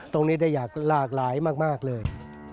ตรงนี้ได้อยากหลากหลายมากเลย